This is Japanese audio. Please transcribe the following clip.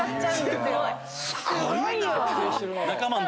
すごいよ！